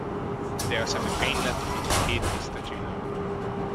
De a szeme fénylett, mint két tiszta csillag.